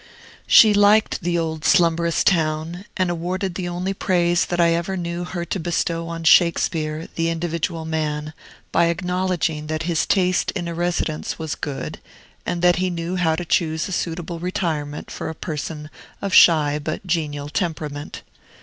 She liked the old slumberous town, and awarded the only praise that ever I knew her to bestow on Shakespeare, the individual man, by acknowledging that his taste in a residence was good, and that he knew how to choose a suitable retirement for a person of shy, but genial temperament.